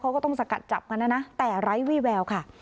เขาก็ต้องสกัดจับกันนะนะแต่ไร้วี่แววค่ะ